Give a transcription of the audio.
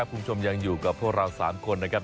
คุณผู้ชมยังอยู่กับพวกเรา๓คนนะครับ